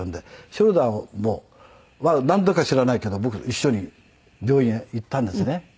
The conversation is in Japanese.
ショルダーもなんでか知らないけど僕一緒に病院へ行ったんですね。